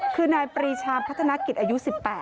คือนายปรีชาพัฒนากิจอายุ๑๘